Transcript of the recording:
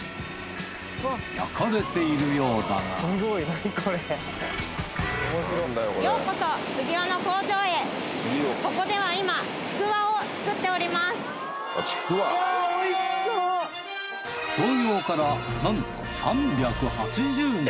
焼かれているようだが創業からなんと３８０年。